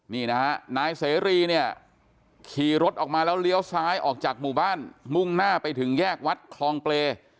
นี่นะฮะนายเสรีเนี่ยขี่รถออกมาแล้วเลี้ยวซ้ายออกจากหมู่บ้านมุ่งหน้าไปถึงแยกวัดคลองเปรย์